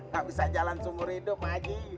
gak bisa jalan seumur hidup lagi